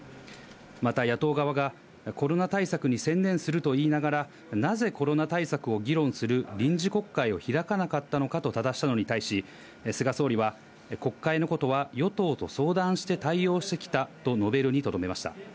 また野党側が、コロナ対策に専念すると言いながら、なぜコロナ対策を議論する臨時国会を開かなかったのかとただしたのに対し、菅総理は、国会のことは与党と相談して対応してきたと述べるにとどめました。